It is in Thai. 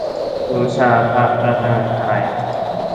บูชาพระรัตนตรัย